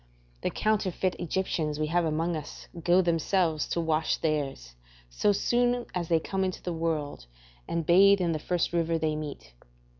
The counterfeit Egyptians we have amongst us go themselves to wash theirs, so soon as they come into the world, and bathe in the first river they meet.